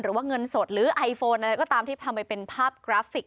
หรือว่าเงินสดหรือไอโฟนอะไรก็ตามที่ทำไปเป็นภาพกราฟิก